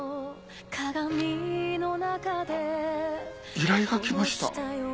依頼が来ました。